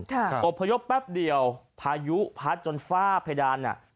อบพยพแป๊บเดียวพายุพัดจนฝ้าเพดานอ่ะ